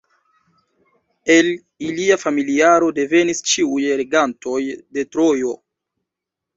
El ilia familiaro devenis ĉiuj regantoj de Trojo.